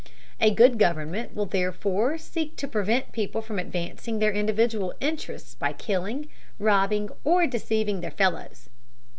A good government will therefore seek to prevent people from advancing their individual interests by killing, robbing, or deceiving their fellows.